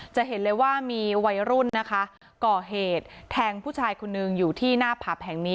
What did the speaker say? จะเห็นเลยว่ามีวัยรุ่นนะคะก่อเหตุแทงผู้ชายคนนึงอยู่ที่หน้าผับแห่งนี้